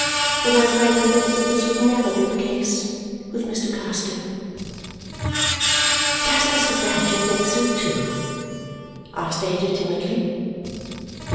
But I am quite convinced that this would never be the case with Mr. Carstone." "Does Mr. Badger think so too?" asked Ada timidly.